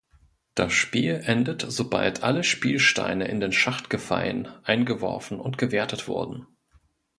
Das Spiel endet sobald alle Spielsteine in den Schacht gefallen eingeworfen und gewertet wurden.